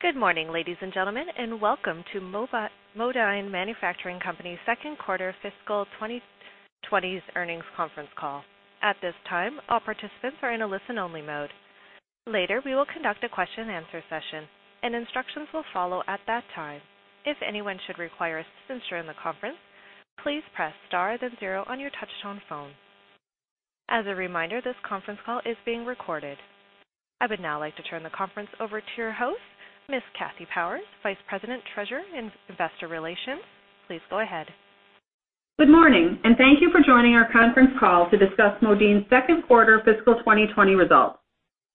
Good morning, ladies and gentlemen, and welcome to Modine Manufacturing Company's second quarter fiscal 2020 earnings conference call. At this time, all participants are in a listen-only mode. Later, we will conduct a question-and-answer session, and instructions will follow at that time. If anyone should require assistance during the conference, please press star then zero on your touchtone phone. As a reminder, this conference call is being recorded. I would now like to turn the conference over to your host, Kathy Powers, Vice President, Treasurer, and Investor Relations. Please go ahead. Good morning, and thank you for joining our conference call to discuss Modine's second quarter fiscal 2020 results.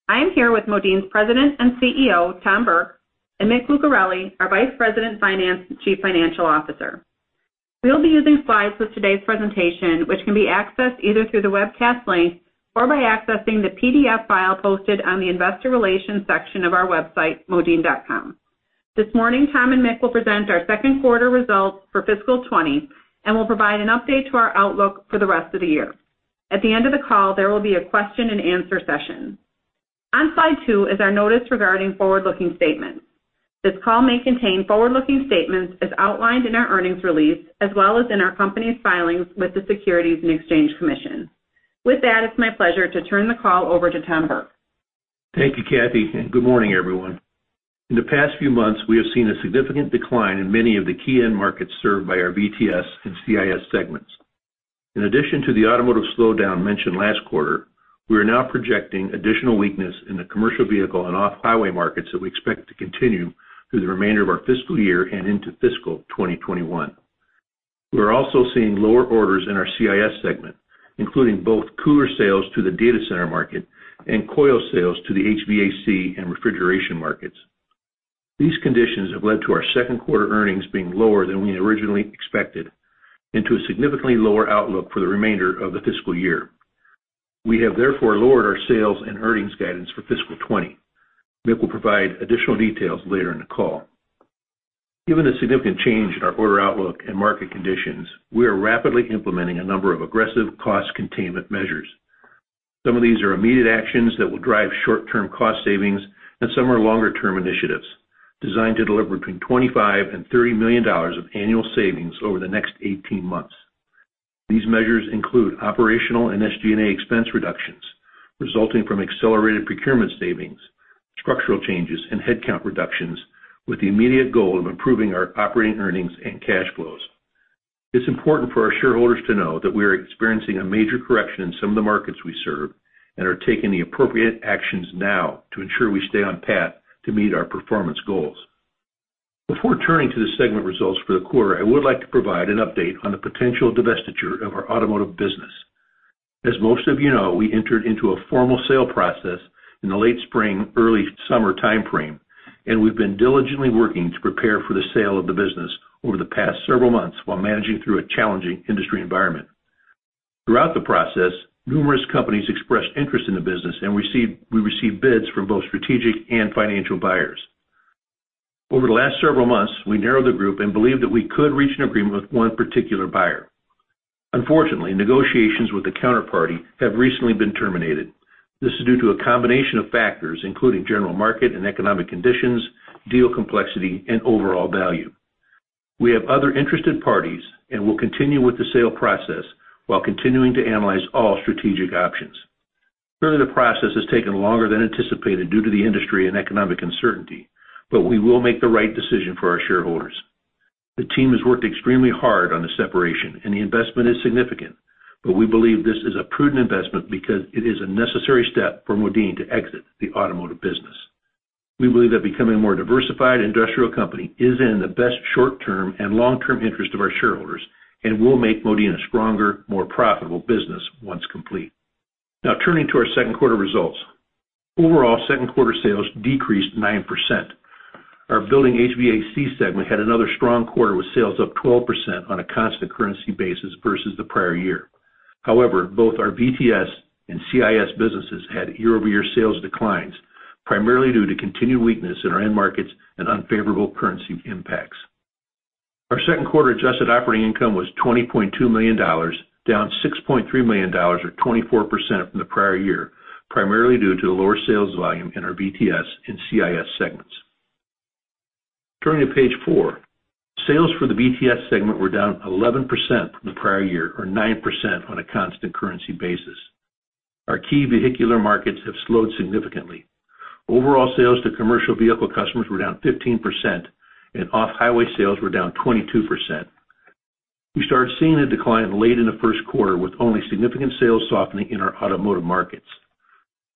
I am here with Modine's President and CEO, Tom Burke, and Mick Lucarelli, our Vice President, Finance and Chief Financial Officer. We'll be using slides for today's presentation, which can be accessed either through the webcast link or by accessing the PDF file posted on the investor relations section of our website, modine.com. This morning, Tom and Mick will present our second quarter results for fiscal 2020 and will provide an update to our outlook for the rest of the year. At the end of the call, there will be a question-and-answer session. On slide 2 is our notice regarding forward-looking statements. This call may contain forward-looking statements as outlined in our earnings release, as well as in our company's filings with the Securities and Exchange Commission. With that, it's my pleasure to turn the call over to Tom Burke. Thank you, Kathy, and good morning, everyone. In the past few months, we have seen a significant decline in many of the key end markets served by our VTS and CIS segments. In addition to the automotive slowdown mentioned last quarter, we are now projecting additional weakness in the commercial vehicle and off-highway markets that we expect to continue through the remainder of our fiscal year and into fiscal 2021. We are also seeing lower orders in our CIS segment, including both cooler sales to the data center market and coil sales to the HVAC and refrigeration markets. These conditions have led to our second quarter earnings being lower than we originally expected and to a significantly lower outlook for the remainder of the fiscal year. We have therefore lowered our sales and earnings guidance for fiscal 2020. Mick will provide additional details later in the call. Given the significant change in our order outlook and market conditions, we are rapidly implementing a number of aggressive cost containment measures. Some of these are immediate actions that will drive short-term cost savings, and some are longer-term initiatives designed to deliver between $25 million-$30 million of annual savings over the next 18 months. These measures include operational and SG&A expense reductions, resulting from accelerated procurement savings, structural changes, and headcount reductions, with the immediate goal of improving our operating earnings and cash flows. It's important for our shareholders to know that we are experiencing a major correction in some of the markets we serve and are taking the appropriate actions now to ensure we stay on path to meet our performance goals. Before turning to the segment results for the quarter, I would like to provide an update on the potential divestiture of our automotive business. As most of you know, we entered into a formal sale process in the late spring, early summer time frame, and we've been diligently working to prepare for the sale of the business over the past several months while managing through a challenging industry environment. Throughout the process, numerous companies expressed interest in the business, and we received bids from both strategic and financial buyers. Over the last several months, we narrowed the group and believed that we could reach an agreement with one particular buyer. Unfortunately, negotiations with the counterparty have recently been terminated. This is due to a combination of factors, including general market and economic conditions, deal complexity, and overall value. We have other interested parties and will continue with the sale process while continuing to analyze all strategic options. Further, the process has taken longer than anticipated due to the industry and economic uncertainty, but we will make the right decision for our shareholders. The team has worked extremely hard on the separation and the investment is significant, but we believe this is a prudent investment because it is a necessary step for Modine to exit the automotive business. We believe that becoming a more diversified industrial company is in the best short-term and long-term interest of our shareholders and will make Modine a stronger, more profitable business once complete. Now, turning to our second quarter results. Overall, second quarter sales decreased 9%. Our Building HVAC segment had another strong quarter, with sales up 12% on a constant currency basis versus the prior year. However, both our VTS and CIS businesses had year-over-year sales declines, primarily due to continued weakness in our end markets and unfavorable currency impacts. Our second quarter adjusted operating income was $20.2 million, down $6.3 million, or 24% from the prior year, primarily due to the lower sales volume in our VTS and CIS segments. Turning to page four. Sales for the VTS segment were down 11% from the prior year, or 9% on a constant currency basis. Our key vehicular markets have slowed significantly. Overall sales to commercial vehicle customers were down 15%, and off-highway sales were down 22%. We started seeing a decline late in the first quarter, with only significant sales softening in our automotive markets.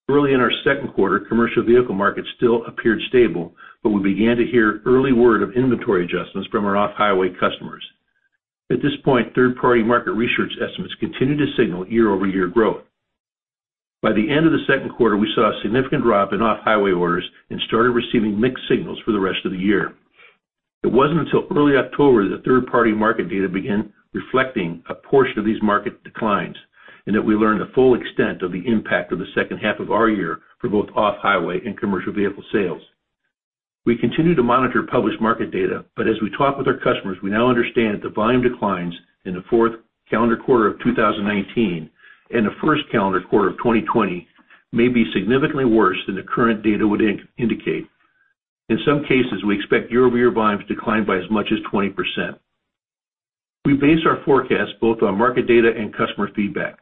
Early in our second quarter, commercial vehicle markets still appeared stable, but we began to hear early word of inventory adjustments from our off-highway customers. At this point, third-party market research estimates continued to signal year-over-year growth. By the end of the second quarter, we saw a significant drop in off-highway orders and started receiving mixed signals for the rest of the year. It wasn't until early October that third-party market data began reflecting a portion of these market declines, and that we learned the full extent of the impact of the second half of our year for both off-highway and commercial vehicle sales. We continue to monitor published market data, but as we talk with our customers, we now understand that the volume declines in the fourth calendar quarter of 2019 and the first calendar quarter of 2020 may be significantly worse than the current data would indicate. In some cases, we expect year-over-year volumes to decline by as much as 20%.... We base our forecast both on market data and customer feedback.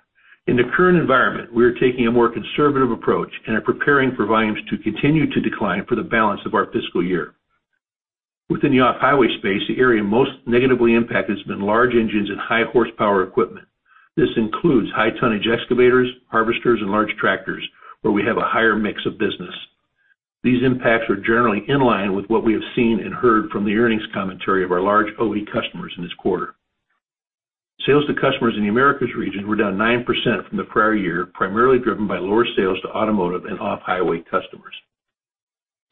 In the current environment, we are taking a more conservative approach and are preparing for volumes to continue to decline for the balance of our fiscal year. Within the off-highway space, the area most negatively impacted has been large engines and high horsepower equipment. This includes high-tonnage excavators, harvesters, and large tractors, where we have a higher mix of business. These impacts are generally in line with what we have seen and heard from the earnings commentary of our large OE customers in this quarter. Sales to customers in the Americas region were down 9% from the prior year, primarily driven by lower sales to automotive and off-highway customers.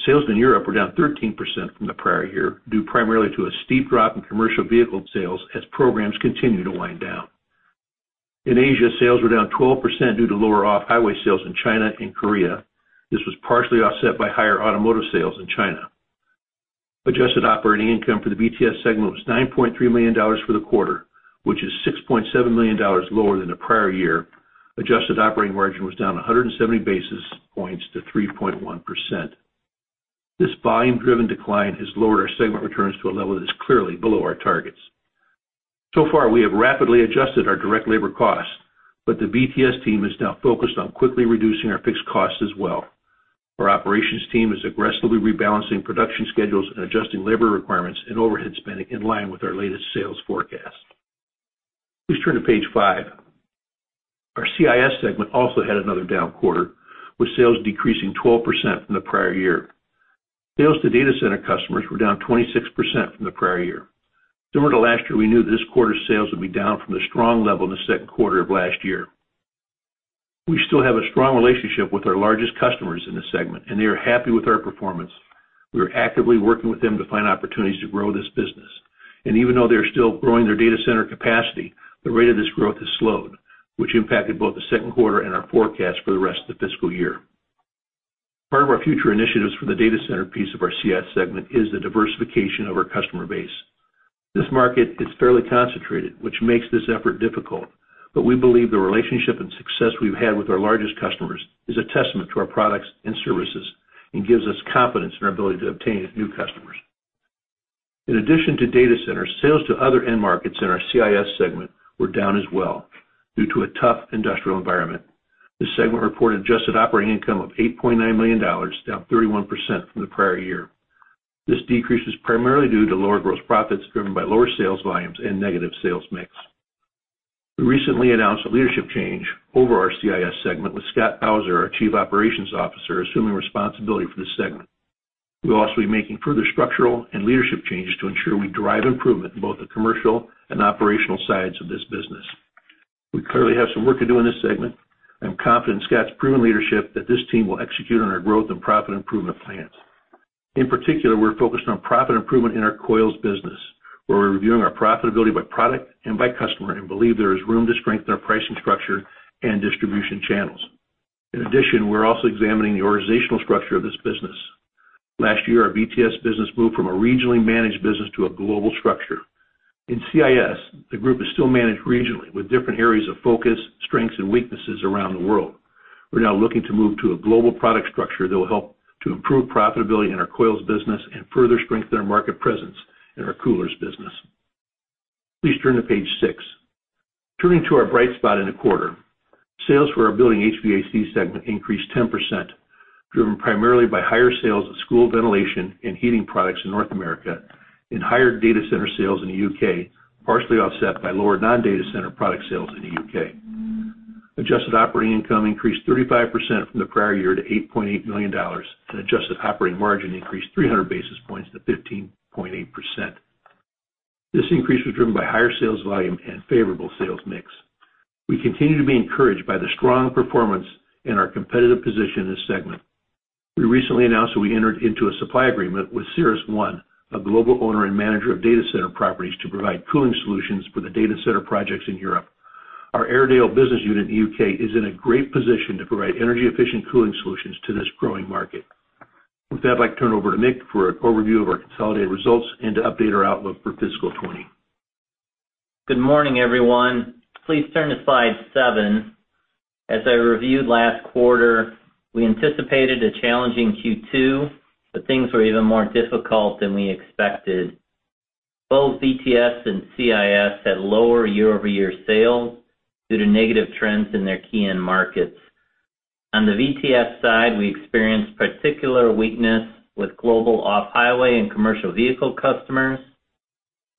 Sales in Europe were down 13% from the prior year, due primarily to a steep drop in commercial vehicle sales as programs continue to wind down. In Asia, sales were down 12% due to lower off-highway sales in China and Korea. This was partially offset by higher automotive sales in China. Adjusted operating income for the VTS segment was $9.3 million for the quarter, which is $6.7 million lower than the prior year. Adjusted operating margin was down 170 basis points to 3.1%. This volume-driven decline has lowered our segment returns to a level that is clearly below our targets. So far, we have rapidly adjusted our direct labor costs, but the VTS team is now focused on quickly reducing our fixed costs as well. Our operations team is aggressively rebalancing production schedules and adjusting labor requirements and overhead spending in line with our latest sales forecast. Please turn to page 5. Our CIS segment also had another down quarter, with sales decreasing 12% from the prior year. Sales to data center customers were down 26% from the prior year. During the last year, we knew this quarter's sales would be down from the strong level in the second quarter of last year. We still have a strong relationship with our largest customers in this segment, and they are happy with our performance. We are actively working with them to find opportunities to grow this business. Even though they're still growing their data center capacity, the rate of this growth has slowed, which impacted both the second quarter and our forecast for the rest of the fiscal year. Part of our future initiatives for the data center piece of our CIS segment is the diversification of our customer base. This market is fairly concentrated, which makes this effort difficult, but we believe the relationship and success we've had with our largest customers is a testament to our products and services and gives us confidence in our ability to obtain new customers. In addition to data centers, sales to other end markets in our CIS segment were down as well due to a tough industrial environment. This segment reported adjusted operating income of $8.9 million, down 31% from the prior year. This decrease is primarily due to lower gross profits, driven by lower sales volumes and negative sales mix. We recently announced a leadership change over our CIS segment, with Scott Bowser, our Chief Operating Officer, assuming responsibility for this segment. We'll also be making further structural and leadership changes to ensure we drive improvement in both the commercial and operational sides of this business. We clearly have some work to do in this segment. I'm confident in Scott's proven leadership that this team will execute on our growth and profit improvement plans. In particular, we're focused on profit improvement in our coils business, where we're reviewing our profitability by product and by customer, and believe there is room to strengthen our pricing structure and distribution channels. In addition, we're also examining the organizational structure of this business. Last year, our VTS business moved from a regionally managed business to a global structure. In CIS, the group is still managed regionally, with different areas of focus, strengths, and weaknesses around the world. We're now looking to move to a global product structure that will help to improve profitability in our coils business and further strengthen our market presence in our coolers business. Please turn to page 6. Turning to our bright spot in the quarter, sales for our Building HVAC segment increased 10%, driven primarily by higher sales of school ventilation and heating products in North America and higher data center sales in the U.K., partially offset by lower non-data center product sales in the U.K. Adjusted operating income increased 35% from the prior year to $8.8 million, and adjusted operating margin increased 300 basis points to 15.8%. This increase was driven by higher sales volume and favorable sales mix. We continue to be encouraged by the strong performance and our competitive position in this segment. We recently announced that we entered into a supply agreement with CyrusOne, a global owner and manager of data center properties, to provide cooling solutions for the data center projects in Europe. Our Airedale business unit in the U.K. is in a great position to provide energy-efficient cooling solutions to this growing market. With that, I'd like to turn it over to Mick for an overview of our consolidated results and to update our outlook for fiscal 2020. Good morning, everyone. Please turn to slide 7. As I reviewed last quarter, we anticipated a challenging Q2, but things were even more difficult than we expected. Both VTS and CIS had lower year-over-year sales due to negative trends in their key end markets. On the VTS side, we experienced particular weakness with global off-highway and commercial vehicle customers.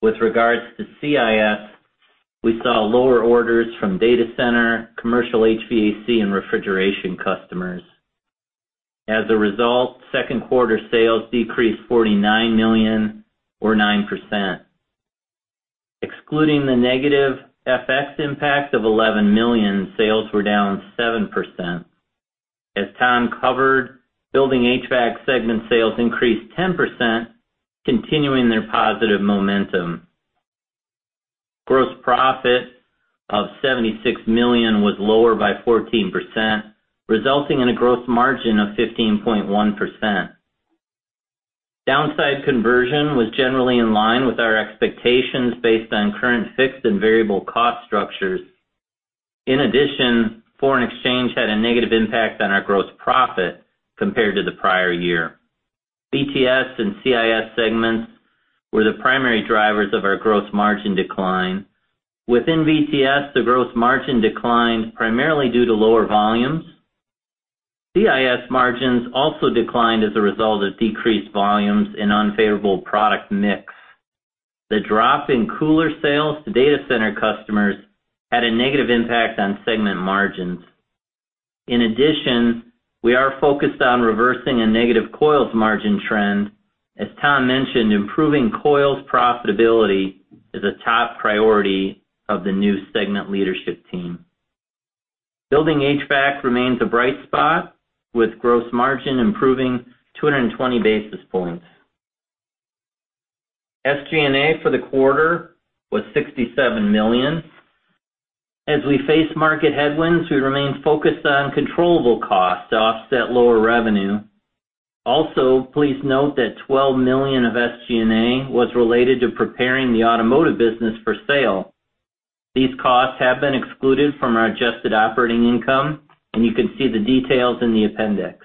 With regards to CIS, we saw lower orders from data center, commercial HVAC, and refrigeration customers. As a result, second quarter sales decreased $49 million or 9%. Excluding the negative FX impact of $11 million, sales were down 7%. As Tom covered, Building HVAC segment sales increased 10%, continuing their positive momentum. Gross profit of $76 million was lower by 14%, resulting in a gross margin of 15.1%. Downside conversion was generally in line with our expectations based on current fixed and variable cost structures. In addition, foreign exchange had a negative impact on our gross profit compared to the prior year. VTS and CIS segments were the primary drivers of our gross margin decline. Within VTS, the gross margin declined primarily due to lower volumes. CIS margins also declined as a result of decreased volumes and unfavorable product mix. The drop in cooler sales to data center customers had a negative impact on segment margins. In addition, we are focused on reversing a negative coils margin trend. As Tom mentioned, improving coils profitability is a top priority of the new segment leadership team. Building HVAC remains a bright spot, with gross margin improving 220 basis points. SG&A for the quarter was $67 million. As we face market headwinds, we remain focused on controllable costs to offset lower revenue. Also, please note that $12 million of SG&A was related to preparing the automotive business for sale. These costs have been excluded from our adjusted operating income, and you can see the details in the appendix.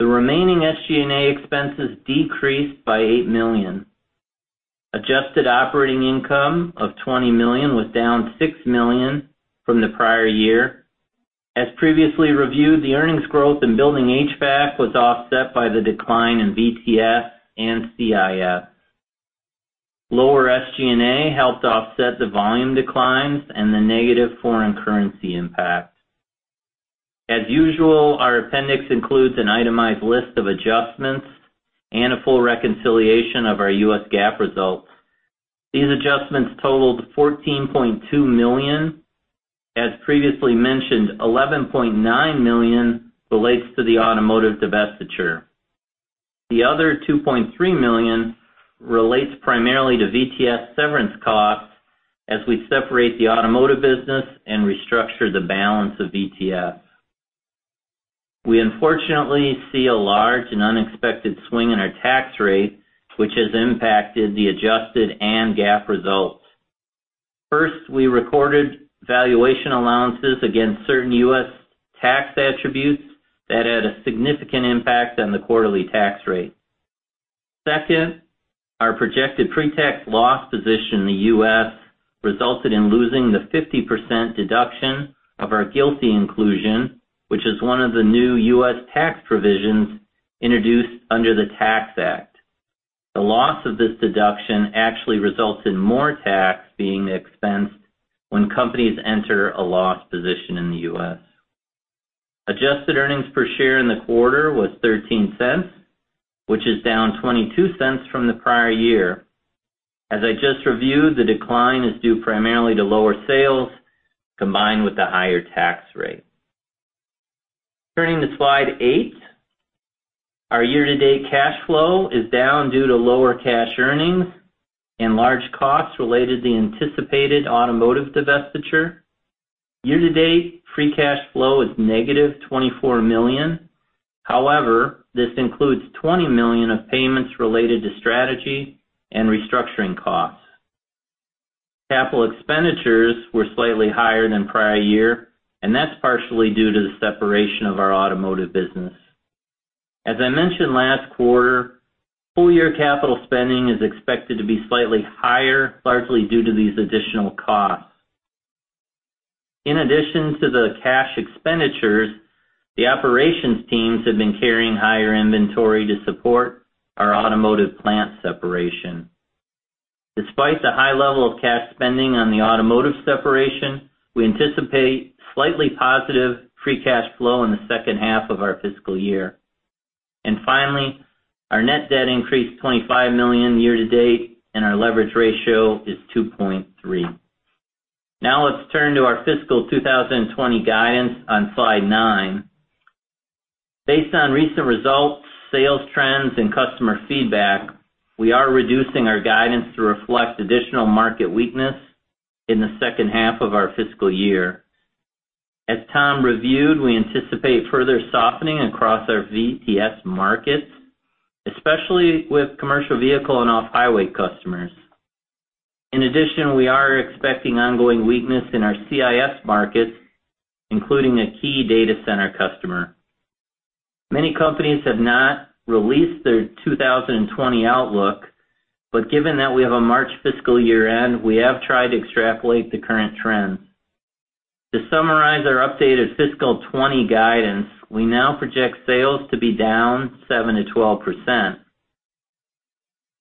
The remaining SG&A expenses decreased by $8 million. Adjusted operating income of $20 million was down $6 million from the prior year. As previously reviewed, the earnings growth in Building HVAC was offset by the decline in VTS and CIS. Lower SG&A helped offset the volume declines and the negative foreign currency impact. As usual, our appendix includes an itemized list of adjustments and a full reconciliation of our U.S. GAAP results. These adjustments totaled $14.2 million. As previously mentioned, $11.9 million relates to the automotive divestiture. The other $2.3 million relates primarily to VTS severance costs as we separate the automotive business and restructure the balance of VTS. We unfortunately see a large and unexpected swing in our tax rate, which has impacted the adjusted and GAAP results. First, we recorded valuation allowances against certain U.S. tax attributes that had a significant impact on the quarterly tax rate. Second, our projected pre-tax loss position in the U.S. resulted in losing the 50% deduction of our GILTI inclusion, which is one of the new U.S. tax provisions introduced under the Tax Act. The loss of this deduction actually results in more tax being expensed when companies enter a loss position in the U.S. Adjusted earnings per share in the quarter was $0.13, which is down $0.22 from the prior year. As I just reviewed, the decline is due primarily to lower sales, combined with the higher tax rate. Turning to Slide 8. Our year-to-date cash flow is down due to lower cash earnings and large costs related to the anticipated automotive divestiture. Year-to-date, free cash flow is negative $24 million. However, this includes $20 million of payments related to strategy and restructuring costs. Capital expenditures were slightly higher than prior year, and that's partially due to the separation of our automotive business. As I mentioned last quarter, full-year capital spending is expected to be slightly higher, largely due to these additional costs. In addition to the cash expenditures, the operations teams have been carrying higher inventory to support our automotive plant separation. Despite the high level of cash spending on the automotive separation, we anticipate slightly positive free cash flow in the second half of our fiscal year. Finally, our net debt increased $25 million year-to-date, and our leverage ratio is 2.3. Now, let's turn to our fiscal 2020 guidance on Slide 9. Based on recent results, sales trends, and customer feedback, we are reducing our guidance to reflect additional market weakness in the second half of our fiscal year. As Tom reviewed, we anticipate further softening across our VTS markets, especially with commercial vehicle and off-highway customers. In addition, we are expecting ongoing weakness in our CIS markets, including a key data center customer. Many companies have not released their 2020 outlook, but given that we have a March fiscal year-end, we have tried to extrapolate the current trends. To summarize our updated fiscal 2020 guidance, we now project sales to be down 7%-12%.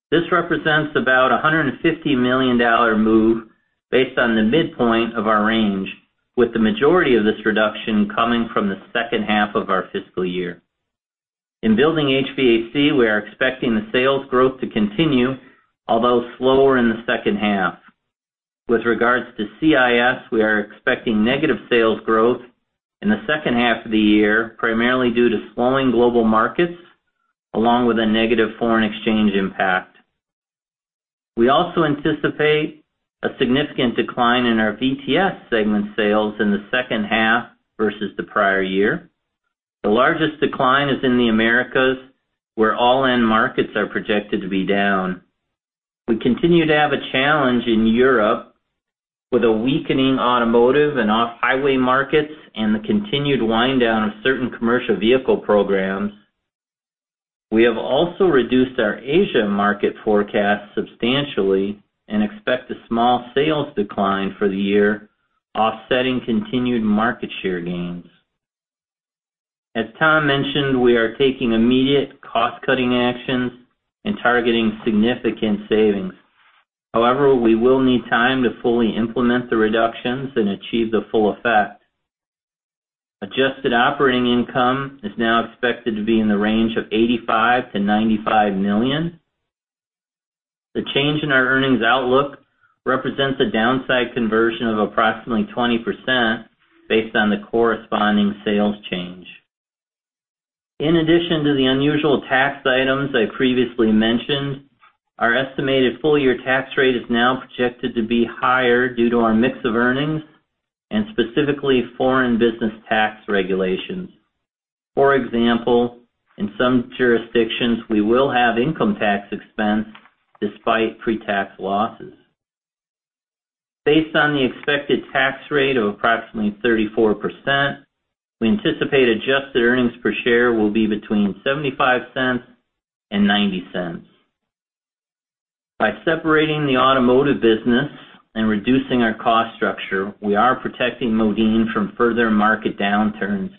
This represents about $150 million move based on the midpoint of our range, with the majority of this reduction coming from the second half of our fiscal year. In Building HVAC, we are expecting the sales growth to continue, although slower in the second half. With regards to CIS, we are expecting negative sales growth in the second half of the year, primarily due to slowing global markets, along with a negative foreign exchange impact. We also anticipate a significant decline in our VTS segment sales in the second half versus the prior year. The largest decline is in the Americas, where all end markets are projected to be down. We continue to have a challenge in Europe with a weakening automotive and off-highway markets and the continued wind down of certain commercial vehicle programs. We have also reduced our Asia market forecast substantially and expect a small sales decline for the year, offsetting continued market share gains. As Tom mentioned, we are taking immediate cost-cutting actions and targeting significant savings. However, we will need time to fully implement the reductions and achieve the full effect. Adjusted operating income is now expected to be in the range of $85 million-$95 million. The change in our earnings outlook represents a downside conversion of approximately 20% based on the corresponding sales change. In addition to the unusual tax items I previously mentioned, our estimated full-year tax rate is now projected to be higher due to our mix of earnings and specifically foreign business tax regulations. For example, in some jurisdictions, we will have income tax expense despite pre-tax losses. Based on the expected tax rate of approximately 34%, we anticipate adjusted earnings per share will be between $0.75 and $0.90. By separating the automotive business and reducing our cost structure, we are protecting Modine from further market downturns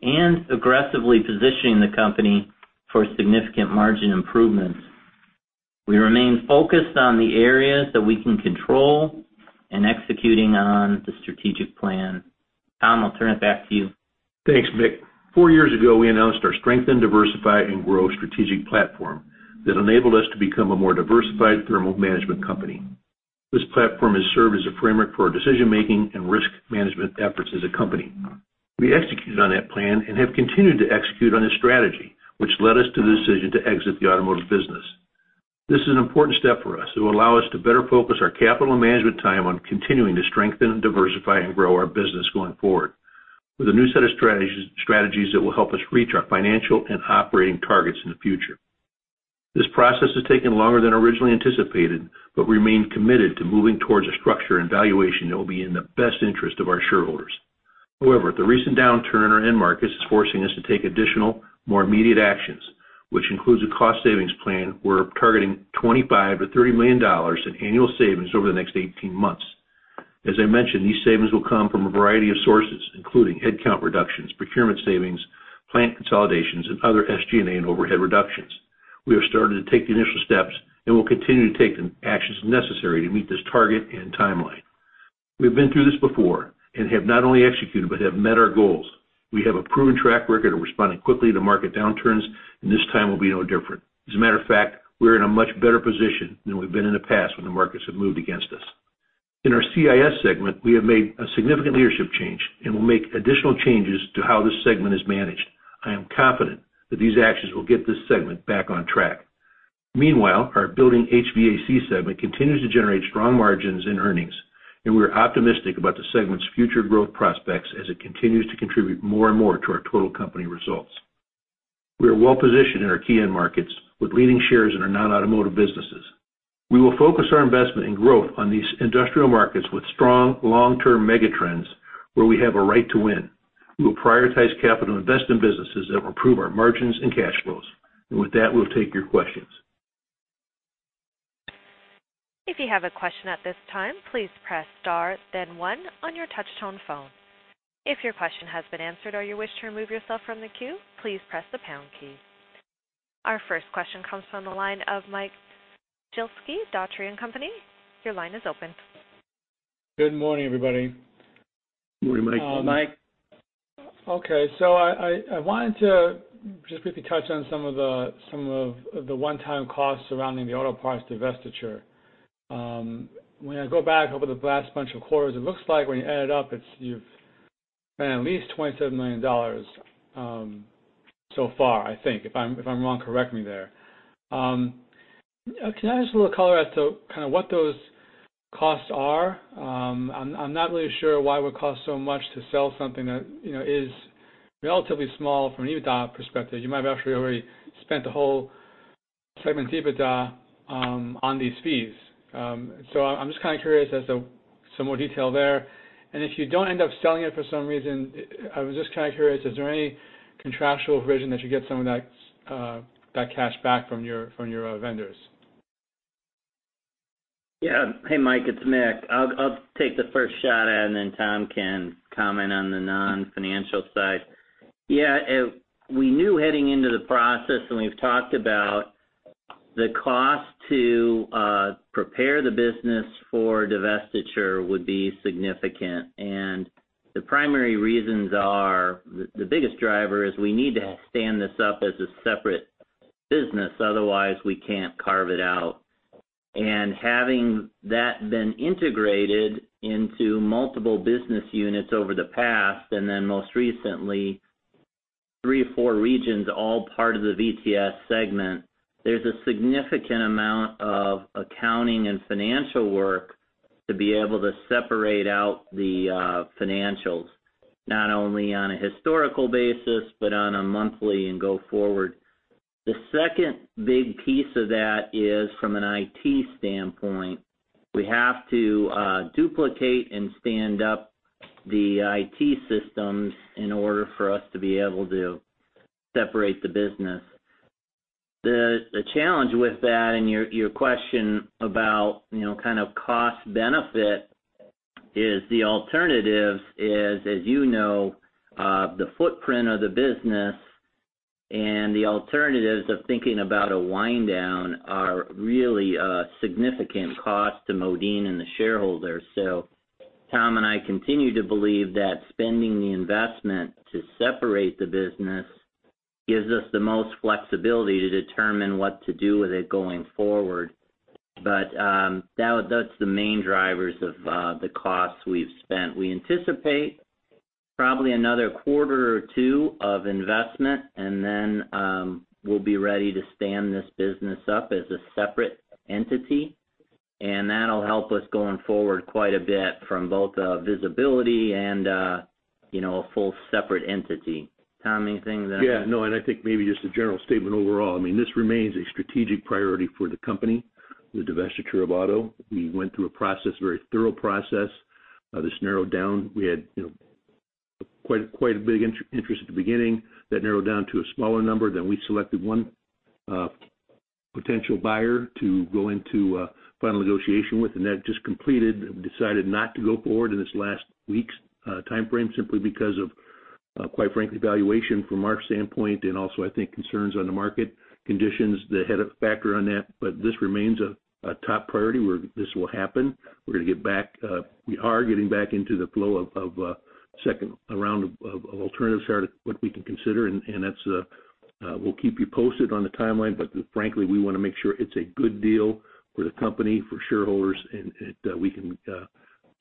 and aggressively positioning the company for significant margin improvements. We remain focused on the areas that we can control and executing on the strategic plan. Tom, I'll turn it back to you. Thanks, Mick. Four years ago, we announced our Strengthen, Diversify and Grow strategic platform that enabled us to become a more diversified thermal management company. This platform has served as a framework for our decision-making and risk management efforts as a company. We executed on that plan and have continued to execute on this strategy, which led us to the decision to exit the automotive business. This is an important step for us. It will allow us to better focus our capital and management time on continuing to strengthen, diversify, and grow our business going forward, with a new set of strategies that will help us reach our financial and operating targets in the future. This process has taken longer than originally anticipated, but we remain committed to moving towards a structure and valuation that will be in the best interest of our shareholders. However, the recent downturn in end markets is forcing us to take additional, more immediate actions, which includes a cost savings plan. We're targeting $25 million-$30 million in annual savings over the next 18 months. As I mentioned, these savings will come from a variety of sources, including headcount reductions, procurement savings, plant consolidations, and other SG&A and overhead reductions. We have started to take the initial steps and will continue to take the actions necessary to meet this target and timeline. We've been through this before and have not only executed, but have met our goals. We have a proven track record of responding quickly to market downturns, and this time will be no different. As a matter of fact, we're in a much better position than we've been in the past when the markets have moved against us. In our CIS segment, we have made a significant leadership change and will make additional changes to how this segment is managed. I am confident that these actions will get this segment back on track. Meanwhile, our Building HVAC segment continues to generate strong margins and earnings, and we are optimistic about the segment's future growth prospects as it continues to contribute more and more to our total company results. We are well positioned in our key end markets with leading shares in our non-automotive businesses. We will focus our investment and growth on these industrial markets with strong long-term mega trends where we have a right to win. We will prioritize capital investment businesses that will improve our margins and cash flows. With that, we'll take your questions. If you have a question at this time, please press star then one on your touch tone phone. If your question has been answered or you wish to remove yourself from the queue, please press the pound key. Our first question comes from the line of Mike Shlisky, Dougherty & Company. Your line is open. Good morning, everybody. Good morning, Mike. Mike. Okay, so I wanted to just briefly touch on some of the one-time costs surrounding the auto parts divestiture. When I go back over the last bunch of quarters, it looks like when you add it up, it's, you've spent at least $27 million, so far, I think. If I'm wrong, correct me there. Can I ask a little color as to kind of what those costs are? I'm not really sure why it would cost so much to sell something that, you know, is relatively small from an EBITDA perspective. You might have actually already spent the whole segment EBITDA on these fees. So I'm just kind of curious as to some more detail there. If you don't end up selling it for some reason, I was just kind of curious, is there any contractual provision that you get some of that cash back from your vendors? Yeah. Hey, Mike, it's Mick. I'll, I'll take the first shot, and then Tom can comment on the non-financial side. Yeah, we knew heading into the process, and we've talked about the cost to prepare the business for divestiture would be significant. And the primary reasons are, the biggest driver is we need to stand this up as a separate business, otherwise we can't carve it out. And having that been integrated into multiple business units over the past, and then most recently, three or four regions, all part of the VTS segment, there's a significant amount of accounting and financial work to be able to separate out the financials, not only on a historical basis, but on a monthly and go forward. The second big piece of that is from an IT standpoint, we have to duplicate and stand up the IT systems in order for us to be able to separate the business. The challenge with that, and your question about, you know, kind of cost benefit, is the alternatives is, as you know, the footprint of the business and the alternatives of thinking about a wind down are really a significant cost to Modine and the shareholders. So Tom and I continue to believe that spending the investment to separate the business gives us the most flexibility to determine what to do with it going forward. But that's the main drivers of the costs we've spent. We anticipate probably another quarter or two of investment, and then we'll be ready to stand this business up as a separate entity, and that'll help us going forward quite a bit from both a visibility and you know, a full separate entity. Tom, anything to add? Yeah, no, and I think maybe just a general statement overall. I mean, this remains a strategic priority for the company, the divestiture of auto. We went through a process, a very thorough process. This narrowed down. We had, you know, quite a big interest at the beginning. That narrowed down to a smaller number. Then we selected one potential buyer to go into final negotiation with, and that just completed and decided not to go forward in this last week's time frame, simply because of quite frankly, valuation from our standpoint, and also, I think, concerns on the market conditions that had a factor on that. But this remains a top priority, where this will happen. We're gonna get back. We are getting back into the flow of second round of alternatives here to what we can consider, and that's we'll keep you posted on the timeline. But frankly, we want to make sure it's a good deal for the company, for shareholders, and we can...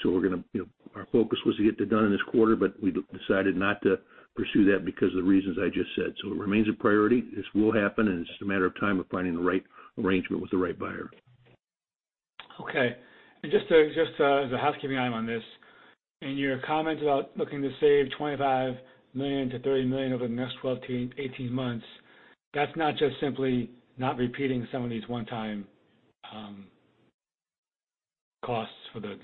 So we're gonna, you know, our focus was to get it done in this quarter, but we decided not to pursue that because of the reasons I just said. So it remains a priority. This will happen, and it's just a matter of time of finding the right arrangement with the right buyer. Okay. And just to as a housekeeping item on this, in your comments about looking to save $25 million-$30 million over the next 12 to 18 months, that's not just simply not repeating some of these one-time costs for the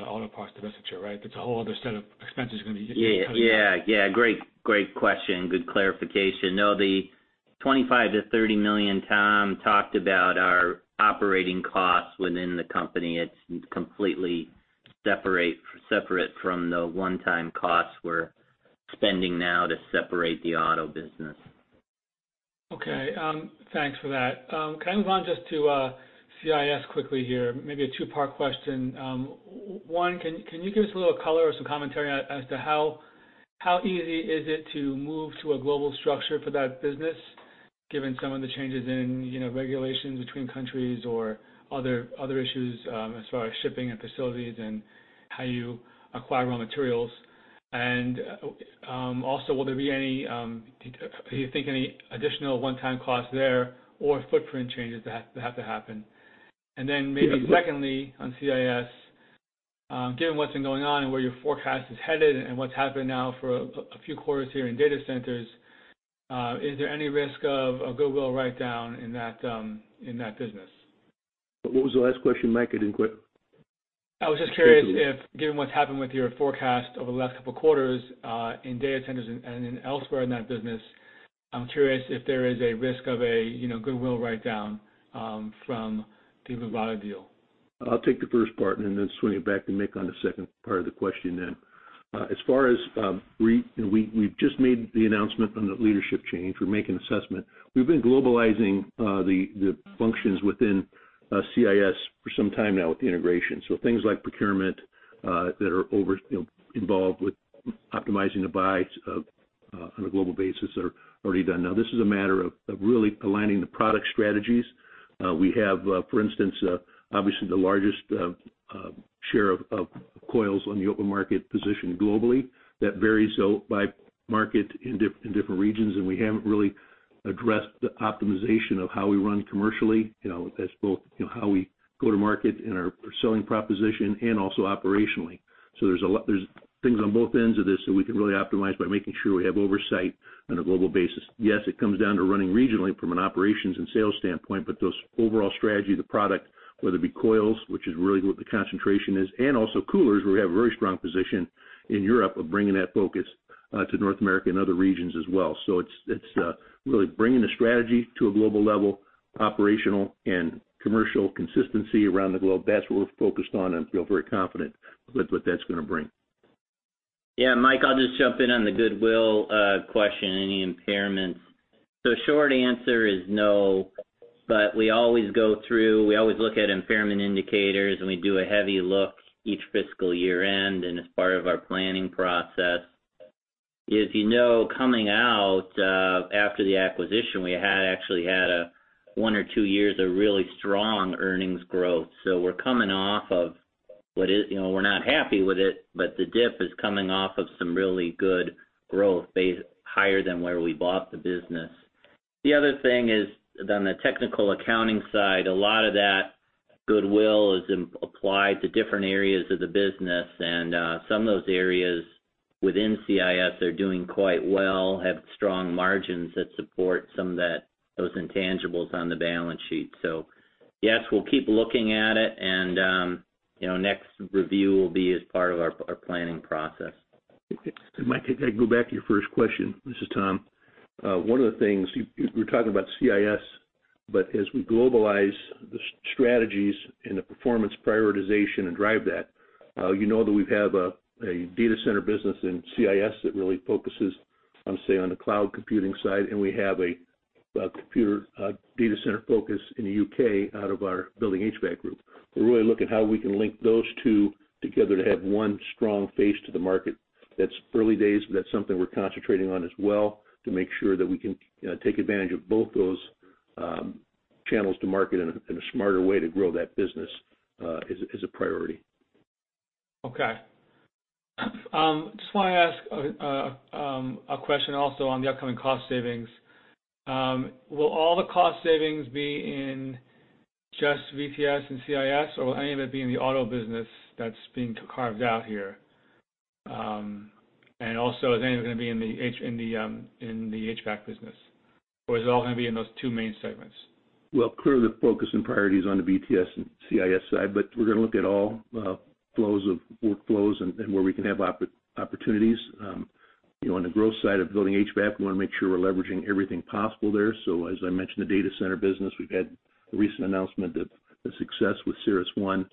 auto parts divestiture, right? That's a whole other set of expenses you're gonna be cutting down. Yeah. Yeah, great, great question. Good clarification. No, the $25 million-$30 million Tom talked about are operating costs within the company. It's completely separate, separate from the one-time costs we're spending now to separate the auto business. Okay. Thanks for that. Can I move on just to CIS quickly here? Maybe a two-part question. One, can you give us a little color or some commentary as to how easy is it to move to a global structure for that business, given some of the changes in, you know, regulations between countries or other issues, as far as shipping and facilities and how you acquire raw materials? And also, do you think any additional one-time costs there or footprint changes that have to happen? And then maybe secondly, on CIS, given what's been going on and where your forecast is headed and what's happened now for a few quarters here in data centers, is there any risk of a goodwill write-down in that business? What was the last question, Mike? I didn't quite- I was just curious if, given what's happened with your forecast over the last couple of quarters, in data centers and, and elsewhere in that business, I'm curious if there is a risk of a, you know, goodwill write-down, from the Luvata deal. I'll take the first part and then swing it back to Mick on the second part of the question then. As far as, we, we've just made the announcement on the leadership change. We're making an assessment. We've been globalizing, the functions within, CIS for some time now with the integration. So things like procurement, that are over, you know, involved with optimizing the buys, on a global basis are already done. Now, this is a matter of really aligning the product strategies. We have, for instance, obviously the largest, share of coils on the open market position globally. That varies, though, by market in different regions, and we haven't really addressed the optimization of how we run commercially, you know, as both, you know, how we go to market in our selling proposition and also operationally. So there's a lot. There's things on both ends of this that we can really optimize by making sure we have oversight on a global basis. Yes, it comes down to running regionally from an operations and sales standpoint, but this overall strategy of the product, whether it be coils, which is really what the concentration is, and also coolers, where we have a very strong position in Europe, of bringing that focus to North America and other regions as well. So it's really bringing the strategy to a global level, operational and commercial consistency around the globe. That's what we're focused on and feel very confident with what that's gonna bring. Yeah, Mike, I'll just jump in on the goodwill question, any impairments. The short answer is no, but we always go through, we always look at impairment indicators, and we do a heavy look each fiscal year-end, and as part of our planning process. As you know, coming out after the acquisition, we had actually had one or two years of really strong earnings growth. So we're coming off of what is... You know, we're not happy with it, but the dip is coming off of some really good growth base, higher than where we bought the business. The other thing is, on the technical accounting side, a lot of that goodwill is applied to different areas of the business, and some of those areas within CIS are doing quite well, have strong margins that support some of that, those intangibles on the balance sheet. So yes, we'll keep looking at it, and, you know, next review will be as part of our planning process. Mike, if I could go back to your first question. This is Tom. One of the things, you were talking about CIS, but as we globalize the strategies and the performance prioritization and drive that, you know that we have a data center business in CIS that really focuses on, say, on the cloud computing side, and we have a computer data center focus in the U.K. out of our Building HVAC group. We're really looking at how we can link those two together to have one strong face to the market. That's early days, but that's something we're concentrating on as well, to make sure that we can take advantage of both those channels to market in a smarter way to grow that business is a priority. Okay. Just want to ask a question also on the upcoming cost savings. Will all the cost savings be in just VTS and CIS, or will any of it be in the auto business that's being carved out here? And also, is any of it going to be in the HVAC business, or is it all going to be in those two main segments? Well, clearly, the focus and priority is on the VTS and CIS side, but we're going to look at all flows of workflows and where we can have opportunities. You know, on the growth side of Building HVAC, we want to make sure we're leveraging everything possible there. So as I mentioned, the data center business, we've had a recent announcement of success with CyrusOne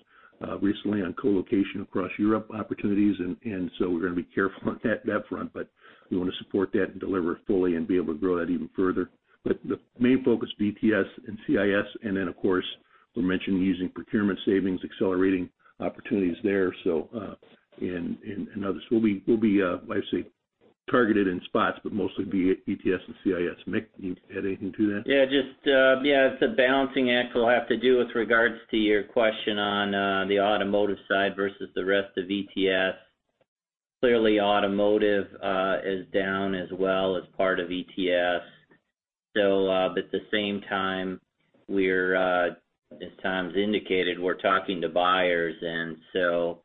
recently on co-location across Europe opportunities, and so we're going to be careful on that front. But we want to support that and deliver it fully and be able to grow that even further. But the main focus is VTS and CIS, and then, of course, we're mentioning using procurement savings, accelerating opportunities there, so and others. We'll be targeted in spots, but mostly be VTS and CIS. Mick, you add anything to that? Yeah, just, yeah, it's a balancing act we'll have to do with regards to your question on the automotive side versus the rest of VTS. Clearly, automotive is down as well as part of VTS. So, but at the same time, we're, as Tom's indicated, we're talking to buyers, and so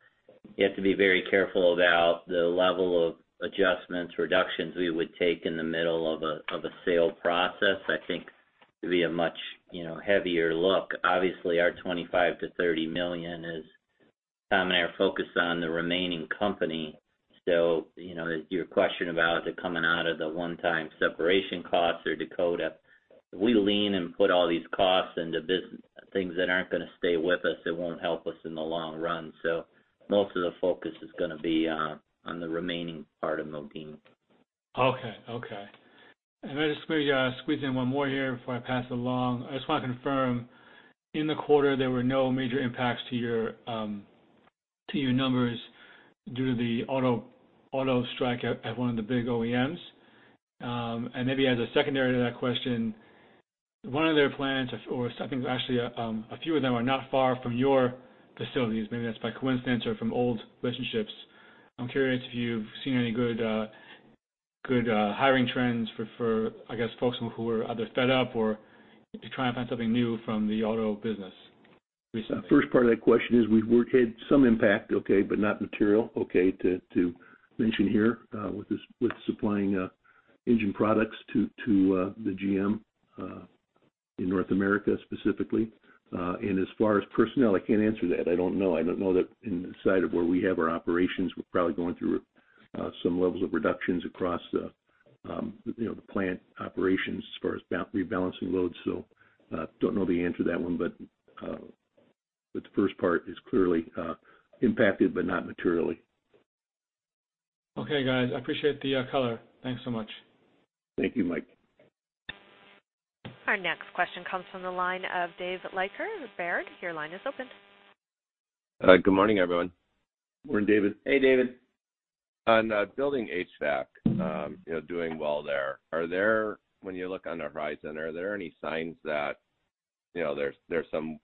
you have to be very careful about the level of adjustments, reductions we would take in the middle of a sale process. I think it'd be a much, you know, heavier look. Obviously, our $25 million-$30 million is... Tom and I are focused on the remaining company. So, you know, your question about it coming out of the one-time separation costs or Dakota, if we lean and put all these costs into business things that aren't going to stay with us, it won't help us in the long run. So most of the focus is going to be on the remaining part of Modine. Okay. Okay. And I just maybe squeeze in one more here before I pass it along. I just want to confirm, in the quarter, there were no major impacts to your numbers due to the auto strike at one of the big OEMs? And maybe as a secondary to that question, one of their plants, or I think actually a few of them are not far from your facilities. Maybe that's by coincidence or from old relationships. I'm curious if you've seen any good hiring trends for I guess folks who are either fed up or to try and find something new from the auto business recently. The first part of that question is we've worked had some impact, okay, but not material, okay, to, to, mention here, with this, with supplying, engine products to, to, the GM, in North America, specifically. And as far as personnel, I can't answer that. I don't know. I don't know that in the side of where we have our operations, we're probably going through, some levels of reductions across the, you know, the plant operations as far as rebalancing loads, so, don't know the answer to that one, but, but the first part is clearly, impacted, but not materially. Okay, guys. I appreciate the color. Thanks so much. Thank you, Mike. Our next question comes from the line of David Leiker, Baird. Your line is open. Good morning, everyone. Morning, David. Hey, David. On Building HVAC, you know, doing well there. When you look on the horizon, are there any signs that, you know, there's some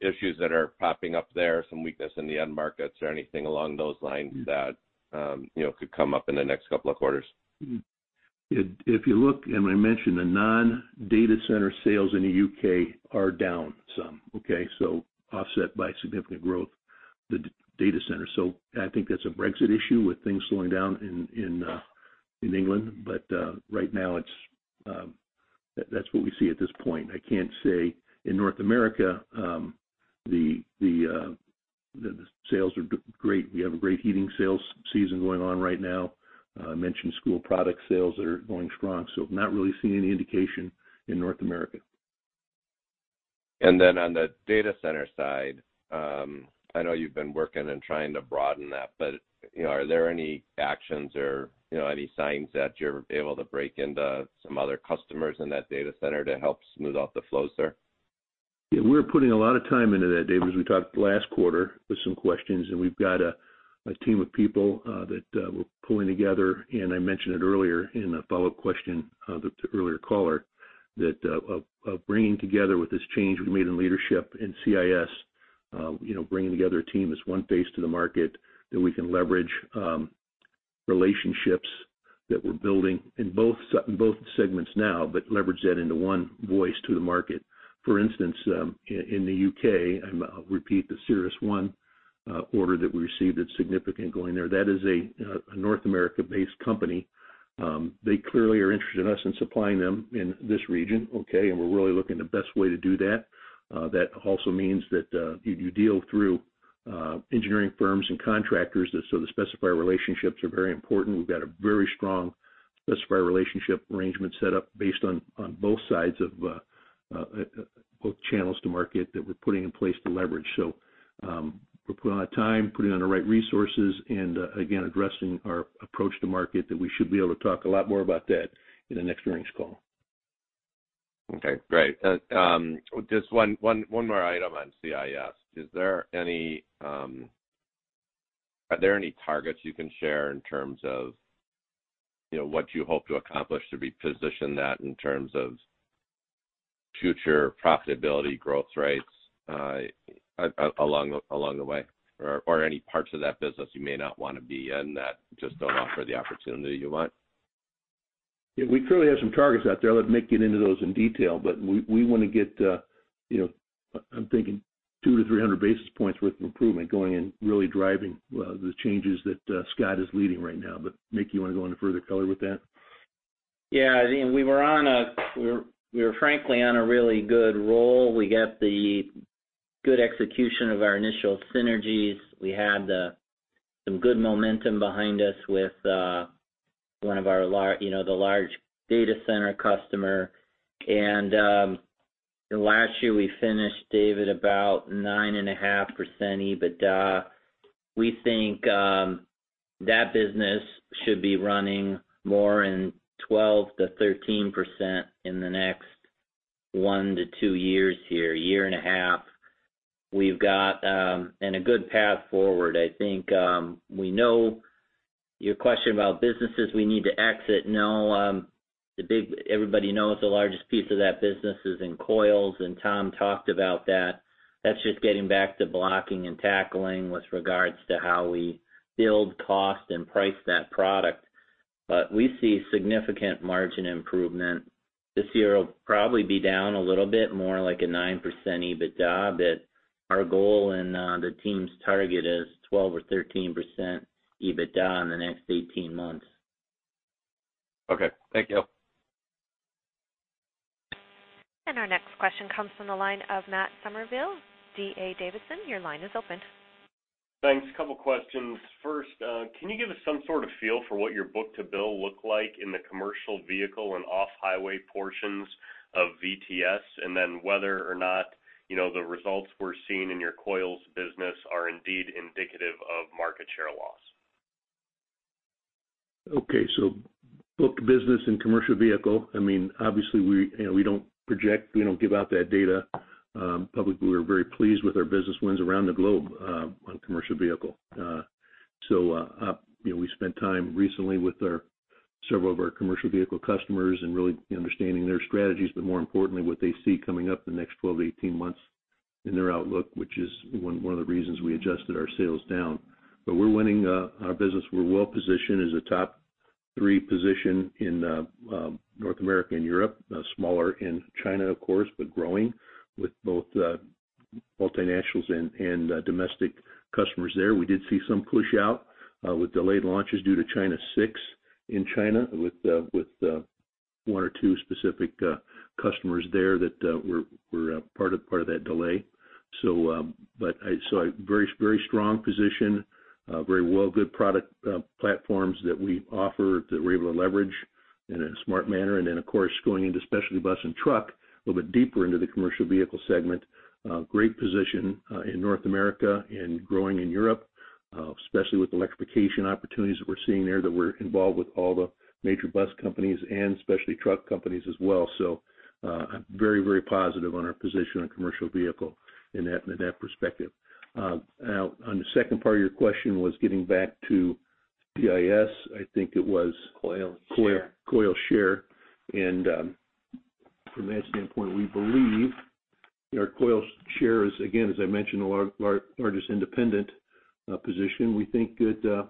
issues that are popping up there, some weakness in the end markets or anything along those lines that, you know, could come up in the next couple of quarters? If you look, and I mentioned, the non-data center sales in the UK are down some, okay? So offset by significant growth, the data center. So I think that's a Brexit issue, with things slowing down in England. But right now, it's, that's what we see at this point. I can't say in North America, the sales are great. We have a great heating sales season going on right now. I mentioned school product sales are going strong, so not really seeing any indication in North America. And then on the data center side, I know you've been working and trying to broaden that, but, you know, are there any actions or, you know, any signs that you're able to break into some other customers in that data center to help smooth out the flows there? Yeah, we're putting a lot of time into that, Dave, as we talked last quarter with some questions, and we've got a team of people that we're pulling together. And I mentioned it earlier in a follow-up question of the earlier caller, that of bringing together with this change we made in leadership in CIS, you know, bringing together a team is one face to the market that we can leverage relationships that we're building in both segments now, but leverage that into one voice to the market. For instance, in the UK, I'm repeating the CyrusOne order that we received, that's significant going there. That is a North America-based company. They clearly are interested in us supplying them in this region, okay? And we're really looking the best way to do that. That also means that, you deal through engineering firms and contractors, so the specifier relationships are very important. We've got a very strong specifier relationship arrangement set up based on, on both sides of both channels to market that we're putting in place to leverage. So, we're putting on the time, putting on the right resources, and again, addressing our approach to market that we should be able to talk a lot more about that in the next earnings call. Okay, great. Just one more item on CIS. Are there any targets you can share in terms of, you know, what you hope to accomplish to reposition that in terms of future profitability, growth rates, along the way, or any parts of that business you may not want to be in that just don't offer the opportunity you want? Yeah, we clearly have some targets out there. I'll let Mick get into those in detail, but we want to get, you know, I'm thinking 200-300 basis points worth of improvement going in, really driving the changes that Scott is leading right now. But Mick, you want to go into further color with that? Yeah, I mean, we were frankly on a really good roll. We got the good execution of our initial synergies. We had some good momentum behind us with you know, the large data center customer. And last year, we finished, David, about 9.5% EBITDA. We think that business should be running more in 12%-13% in the next one to two years here, year and a half. We've got a good path forward. I think we know your question about businesses we need to exit. No, the big-- everybody knows the largest piece of that business is in coils, and Tom talked about that. That's just getting back to blocking and tackling with regards to how we build cost and price that product. We see significant margin improvement. This year will probably be down a little bit, more like a 9% EBITDA, but our goal and the team's target is 12% or 13% EBITDA in the next 18 months. Okay. Thank you. Our next question comes from the line of Matt Summerville, D.A. Davidson. Your line is open. Thanks. A couple questions. First, can you give us some sort of feel for what your book-to-bill look like in the commercial vehicle and off-highway portions of VTS? And then whether or not, you know, the results we're seeing in your coils business are indeed indicative of market share loss? Okay. So book business and commercial vehicle, I mean, obviously, we, you know, we don't project, we don't give out that data publicly. We're very pleased with our business wins around the globe on commercial vehicle. You know, we spent time recently with several of our commercial vehicle customers and really understanding their strategies, but more importantly, what they see coming up in the next 12-18 months in their outlook, which is one of the reasons we adjusted our sales down. But we're winning our business. We're well positioned as a top three position in North America and Europe, smaller in China, of course, but growing with both multinationals and domestic customers there. We did see some push out with delayed launches due to China VI in China, with one or two specific customers there that were part of that delay. So, but I saw a very, very strong position, very well good product platforms that we offer, that we're able to leverage in a smart manner. And then, of course, going into specialty bus and truck, a little bit deeper into the commercial vehicle segment, great position in North America and growing in Europe, especially with electrification opportunities that we're seeing there, that we're involved with all the major bus companies and specialty truck companies as well. So, I'm very, very positive on our position on commercial vehicle in that perspective. Now, on the second part of your question was getting back to CIS, I think it was- Coil share. -coil share. And from that standpoint, we believe our coil share is, again, as I mentioned, the largest independent position. We think that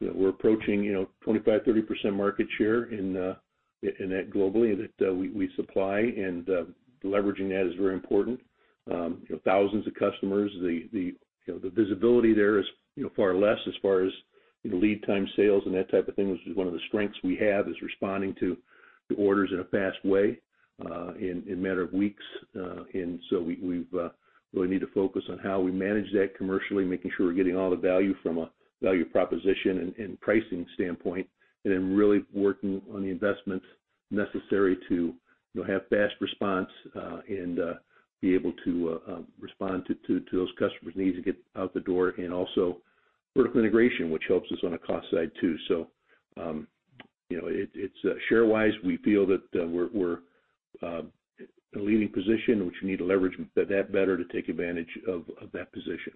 we're approaching, you know, 25%-30% market share in that globally, and that we supply and leveraging that is very important. Thousands of customers, the visibility there is, you know, far less as far as lead time sales and that type of thing, which is one of the strengths we have, is responding to the orders in a fast way, in matter of weeks. And so we've really need to focus on how we manage that commercially, making sure we're getting all the value from a value proposition and pricing standpoint, and then really working on the investments necessary to, you know, have fast response and be able to respond to those customers' needs to get out the door, and also vertical integration, which helps us on the cost side, too. So, you know, it's share-wise, we feel that we're a leading position, which we need to leverage that better to take advantage of that position.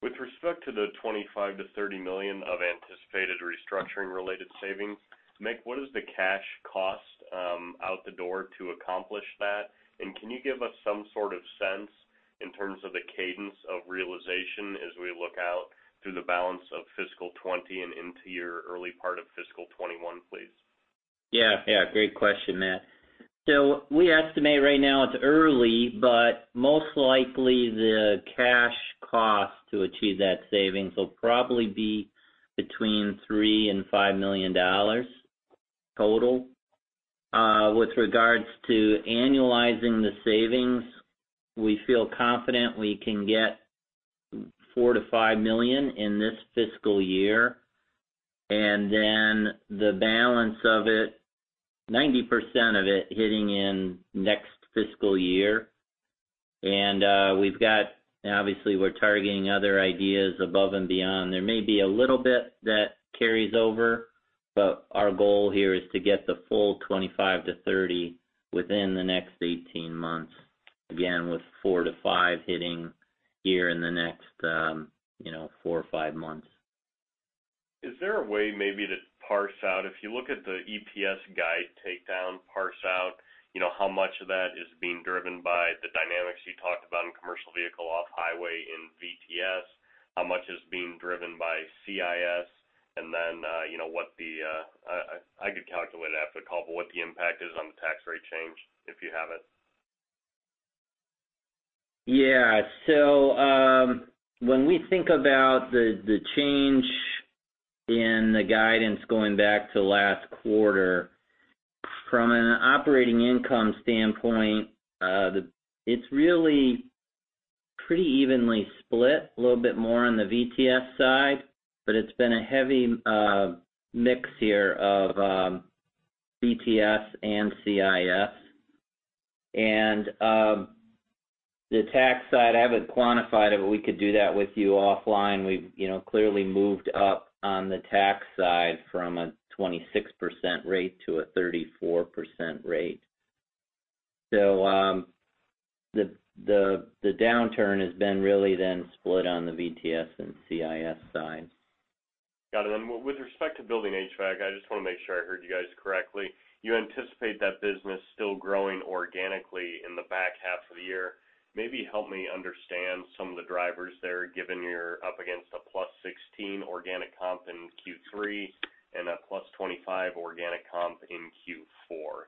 With respect to the $25 million-$30 million of anticipated restructuring related savings, Mick, what is the cash cost out the door to accomplish that? And can you give us some sort of sense... in terms of the cadence of realization as we look out through the balance of fiscal 2020 and into your early part of fiscal 2021, please? Yeah, yeah, great question, Matt. So we estimate right now, it's early, but most likely, the cash cost to achieve that savings will probably be between $3 million and $5 million total. With regards to annualizing the savings, we feel confident we can get $4 million-$5 million in this fiscal year, and then the balance of it, 90% of it, hitting in next fiscal year. And, we've got -- obviously, we're targeting other ideas above and beyond. There may be a little bit that carries over, but our goal here is to get the full 25-30 within the next 18 months. Again, with 4-5 hitting here in the next, you know, 4-5 months. Is there a way maybe to parse out? If you look at the EPS guide takedown, parse out, you know, how much of that is being driven by the dynamics you talked about in commercial vehicle off-highway in VTS, how much is being driven by CIS? And then, you know what the, I, I could calculate after the call, but what the impact is on the tax rate change, if you have it. Yeah. So, when we think about the change in the guidance going back to last quarter, from an operating income standpoint, it's really pretty evenly split, a little bit more on the VTS side, but it's been a heavy mix here of VTS and CIS. And the tax side, I haven't quantified it, but we could do that with you offline. We've, you know, clearly moved up on the tax side from a 26% rate to a 34% rate. So, the downturn has been really then split on the VTS and CIS side. Got it. With respect to Building HVAC, I just want to make sure I heard you guys correctly. You anticipate that business still growing organically in the back half of the year. Maybe help me understand some of the drivers there, given you're up against a +16 organic comp in Q3 and a +25 organic comp in Q4.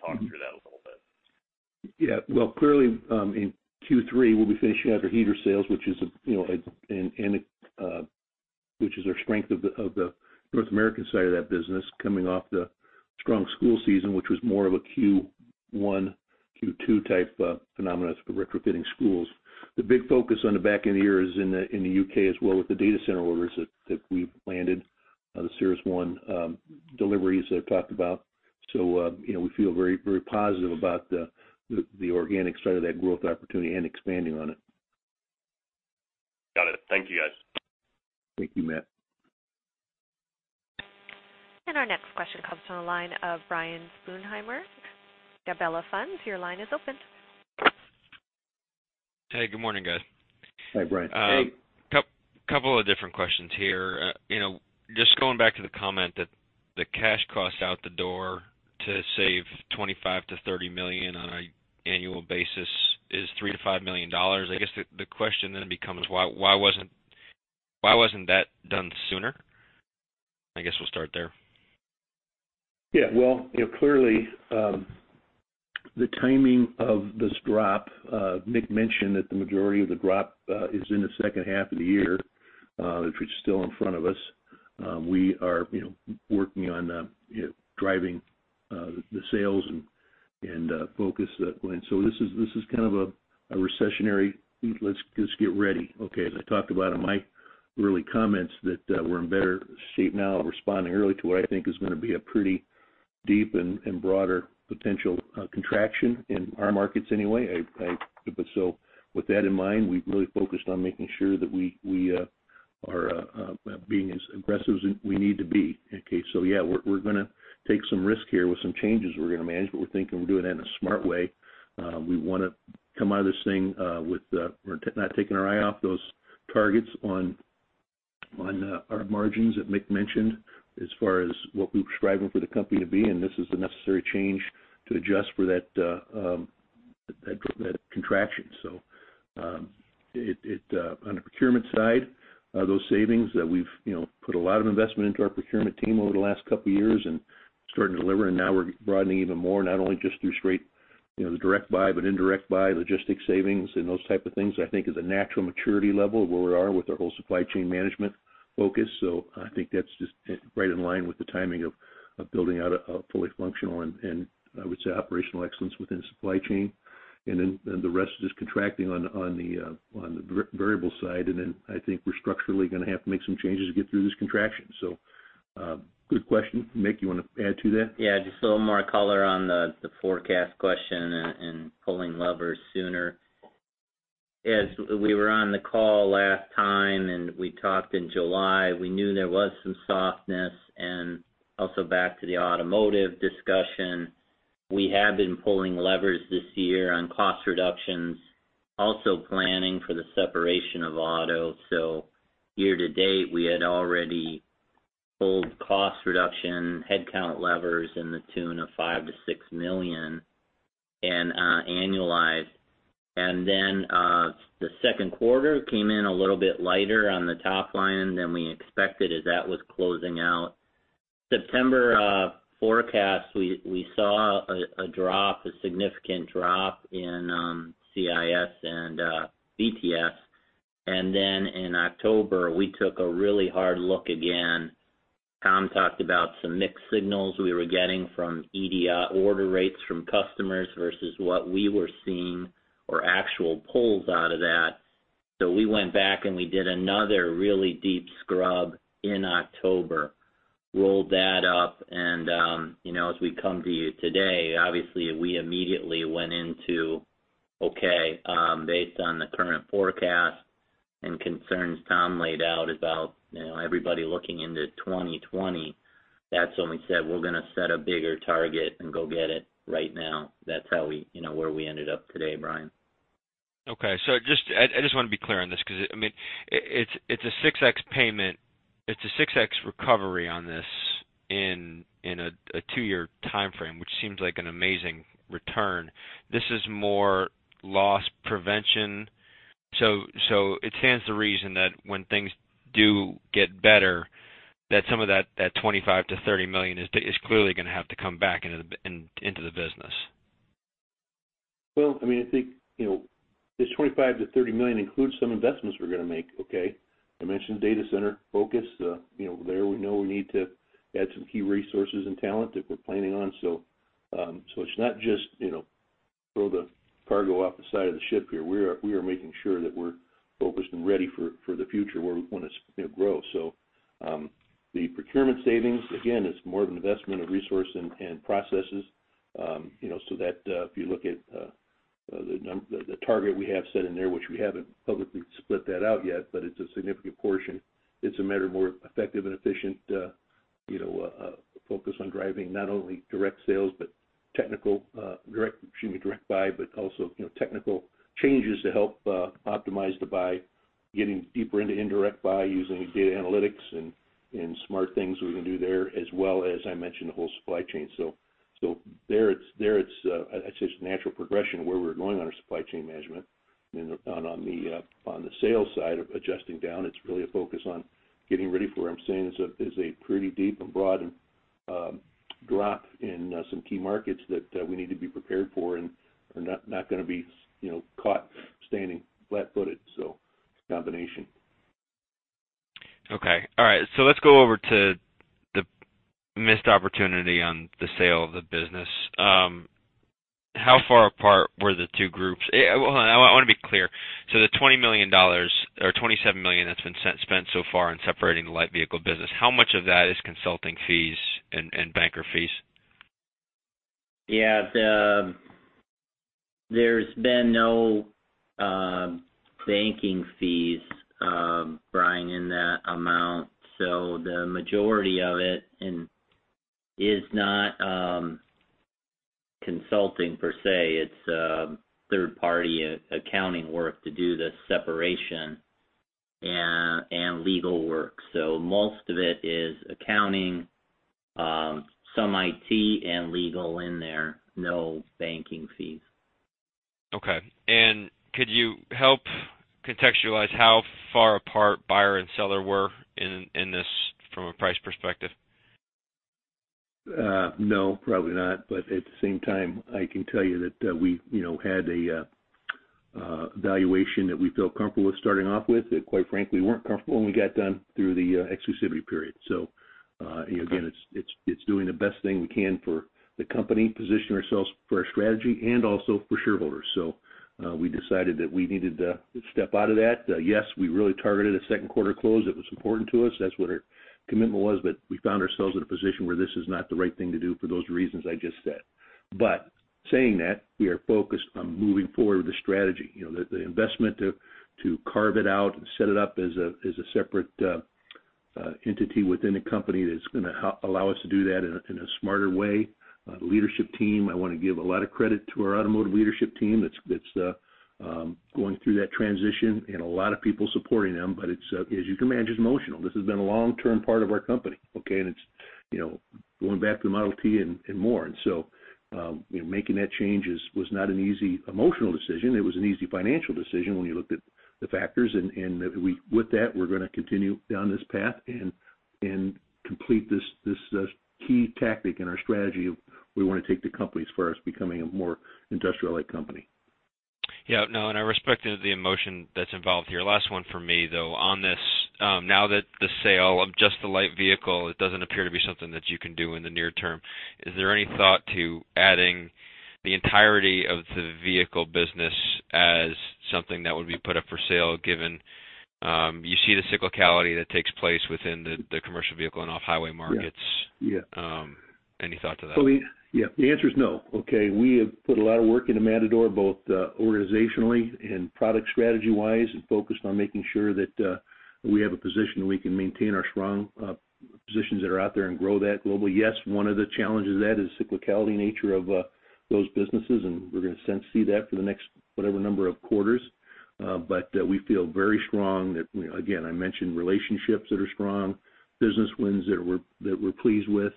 Talk through that a little bit. Yeah. Well, clearly, in Q3, we'll be finishing out our heater sales, which is, you know, our strength of the North American side of that business, coming off the strong school season, which was more of a Q1, Q2 type of phenomena for retrofitting schools. The big focus on the back end of the year is in the UK as well, with the data center orders that we've landed, the CyrusOne deliveries that I've talked about. So, you know, we feel very, very positive about the organic side of that growth opportunity and expanding on it. Got it. Thank you, guys. Thank you, Matt. Our next question comes from the line of Brian Sponheimer, Gabelli Funds. Your line is open. Hey, good morning, guys. Hi, Brian. Hey. Couple of different questions here. You know, just going back to the comment that the cash costs out the door to save $25 million-$30 million on an annual basis is $3 million-$5 million. I guess the question then becomes: why wasn't that done sooner? I guess we'll start there. Yeah. Well, you know, clearly, the timing of this drop, Mick mentioned that the majority of the drop, is in the second half of the year, which is still in front of us. We are, you know, working on, you know, driving, the sales and, and, focus that. And so this is, this is kind of a, a recessionary, let's, let's get ready, okay? As I talked about in my early comments, that, we're in better shape now, responding early to what I think is gonna be a pretty deep and, and broader potential, contraction in our markets anyway. I, I, but so with that in mind, we've really focused on making sure that we, we, are, being as aggressive as we need to be. Okay, so yeah, we're gonna take some risk here with some changes we're gonna manage, but we're thinking we're doing that in a smart way. We wanna come out of this thing with we're not taking our eye off those targets on our margins that Mick mentioned, as far as what we're striving for the company to be, and this is a necessary change to adjust for that contraction. So, on the procurement side, those savings that we've, you know, put a lot of investment into our procurement team over the last couple of years and starting to deliver, and now we're broadening even more, not only just through straight, you know, the direct buy, but indirect buy, logistics savings, and those type of things, I think is a natural maturity level of where we are with our whole supply chain management focus. So I think that's just right in line with the timing of building out a fully functional and, I would say, operational excellence within supply chain. And then, the rest is contracting on the variable side, and then I think we're structurally gonna have to make some changes to get through this contraction. So, good question. Mick, you wanna add to that? Yeah, just a little more color on the forecast question and pulling levers sooner. As we were on the call last time and we talked in July, we knew there was some softness, and also back to the automotive discussion, we have been pulling levers this year on cost reductions, also planning for the separation of auto. So year to date, we had already pulled cost reduction, headcount levers in the tune of $5 million-$6 million annualized. And then, the second quarter came in a little bit lighter on the top line than we expected as that was closing out. September forecast, we saw a significant drop in CIS and VTS. And then in October, we took a really hard look again. Tom talked about some mixed signals we were getting from EDI order rates from customers versus what we were seeing or actual pulls out of that. So we went back, and we did another really deep scrub in October, rolled that up, and, you know, as we come to you today, obviously, we immediately went into, okay, based on the current forecast and concerns Tom laid out about, you know, everybody looking into 2020, that's when we said, we're going to set a bigger target and go get it right now. That's how we, you know, where we ended up today, Brian. Okay. So just, I just wanna be clear on this because, I mean, it's a 6x payment—it's a 6x recovery on this in a two-year timeframe, which seems like an amazing return. This is more loss prevention. So it stands to reason that when things do get better, that some of that $25 million-$30 million is clearly going to have to come back into the business. Well, I mean, I think, you know, this $25 million-$30 million includes some investments we're going to make, okay? I mentioned data center focus. You know, there we know we need to add some key resources and talent that we're planning on. So, so it's not just, you know, throw the cargo off the side of the ship here. We are making sure that we're focused and ready for the future when it's, you know, grow. So, the procurement savings, again, it's more of an investment of resource and processes. You know, so that if you look at the target we have set in there, which we haven't publicly split that out yet, but it's a significant portion. It's a matter of more effective and efficient, you know, focus on driving not only direct sales, but technical, direct, excuse me, direct buy, but also, you know, technical changes to help optimize the buy, getting deeper into indirect buy, using data analytics and smart things we can do there, as well as I mentioned, the whole supply chain. So there it's just natural progression where we're going on our supply chain management. And on the sales side, adjusting down, it's really a focus on getting ready for what I'm saying is a pretty deep and broad drop in some key markets that we need to be prepared for and are not gonna be, you know, caught standing flat-footed. So combination. Okay. All right, so let's go over to the missed opportunity on the sale of the business. How far apart were the two groups? Well, I wanna be clear. So the $20 million or $27 million that's been spent so far in separating the light vehicle business, how much of that is consulting fees and banker fees? Yeah. There's been no banking fees, Brian, in that amount, so the majority of it is not consulting per se. It's third-party accounting work to do the separation and legal work. So most of it is accounting, some IT and legal in there. No banking fees. Okay. And could you help contextualize how far apart buyer and seller were in this from a price perspective? No, probably not. But at the same time, I can tell you that, we, you know, had a, a valuation that we felt comfortable with starting off with, that quite frankly, weren't comfortable when we got done through the, exclusivity period. So, again, it's doing the best thing we can for the company, position ourselves for our strategy and also for shareholders. So, we decided that we needed to step out of that. Yes, we really targeted a second quarter close. It was important to us. That's what our commitment was, but we found ourselves in a position where this is not the right thing to do for those reasons I just said. But saying that, we are focused on moving forward with the strategy. You know, the investment to carve it out and set it up as a separate entity within a company, that's gonna allow us to do that in a smarter way. Leadership team, I want to give a lot of credit to our automotive leadership team that's going through that transition and a lot of people supporting them, but it's, as you can imagine, it's emotional. This has been a long-term part of our company, okay? And it's, you know, going back to the Model T and more. And so, you know, making that change was not an easy emotional decision. It was an easy financial decision when you looked at the factors. With that, we're gonna continue down this path and complete this key tactic in our strategy of we wanna take the company as far as becoming a more industrial-like company. Yeah, no, and I respect the emotion that's involved here. Last one for me, though, on this. Now that the sale of just the light vehicle, it doesn't appear to be something that you can do in the near term, is there any thought to adding the entirety of the vehicle business as something that would be put up for sale, given you see the cyclicality that takes place within the, the commercial vehicle and off-highway markets? Yeah. Any thought to that? So, yeah, the answer is no, okay? We have put a lot of work into Matador, both organizationally and product strategy-wise, and focused on making sure that we have a position where we can maintain our strong positions that are out there and grow that globally. Yes, one of the challenges of that is cyclicality nature of those businesses, and we're going to see that for the next, whatever number of quarters. But we feel very strong that, again, I mentioned relationships that are strong, business wins that we're pleased with,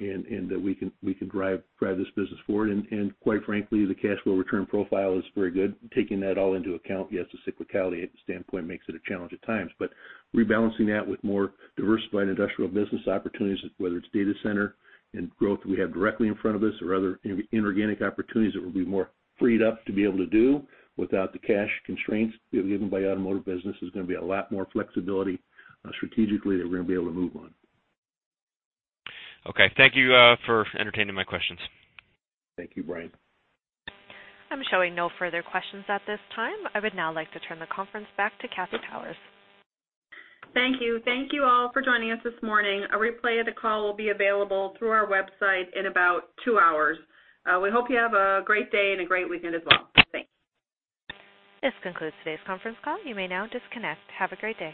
and that we can drive this business forward. And quite frankly, the cash flow return profile is very good. Taking that all into account, yes, the cyclicality standpoint makes it a challenge at times. But rebalancing that with more diversified industrial business opportunities, whether it's data center and growth we have directly in front of us or other inorganic opportunities that we'll be more freed up to be able to do without the cash constraints given by automotive business, is gonna be a lot more flexibility, strategically, that we're gonna be able to move on. Okay. Thank you for entertaining my questions. Thank you, Brian. I'm showing no further questions at this time. I would now like to turn the conference back to Kathy Powers. Thank you. Thank you all for joining us this morning. A replay of the call will be available through our website in about two hours. We hope you have a great day and a great weekend as well. Thanks. This concludes today's conference call. You may now disconnect. Have a great day.